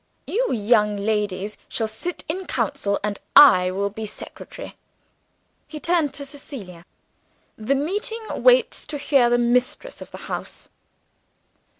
You young ladies shall sit in council and I will be secretary." He turned to Cecilia. "The meeting waits to hear the mistress of the house."